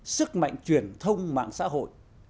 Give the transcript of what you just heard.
sức mạnh truyền thông mạng xã hội